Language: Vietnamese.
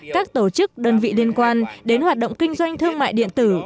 các tổ chức đơn vị liên quan đến hoạt động kinh doanh thương mại điện tử